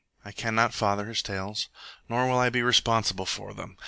I cannot father his tales, nor will I be responsible for them.